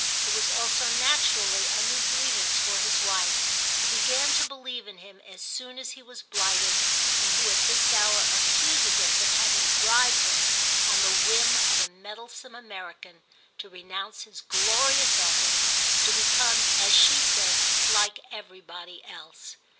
It was also naturally a new grievance for his wife, who began to believe in him as soon as he was blighted, and who at this hour accuses us of having bribed him, on the whim of a meddlesome American, to renounce his glorious office, to become, as she says, like everybody else.